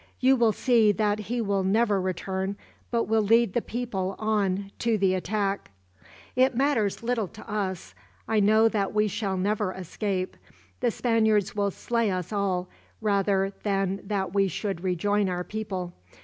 You will see that he will never return, but will lead the people on to the attack. "It matters little to us. I know that we shall never escape. The Spaniards will slay us all, rather than that we should rejoin our people.